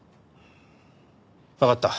わかった。